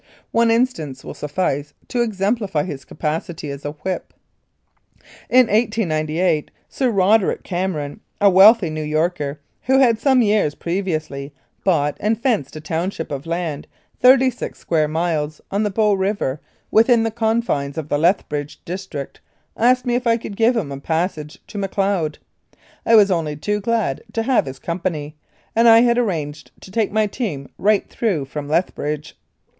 One instance will suffice to exemplify his capacity as a "whip." In 1898 Sir Roderick Cameron, a wealthy New Yorker, who had some years previously bought and fenced a township of land, thirty six square miles, on the Bow River, within the confines of the Lethbridge district, asked me if I could give him a passage to Macleod. I was only too glad to have his company, and I had arranged to take my team right through from Lethbridge.